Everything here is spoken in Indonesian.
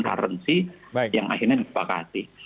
karansi yang akhirnya disepakati